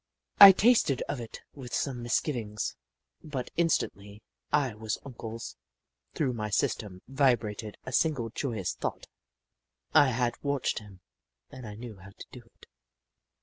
I tasted of it with some misgivings, but instantly I was Uncle's. Through my system vibrated a single joyous thought — I had watched him and I knew how to do it.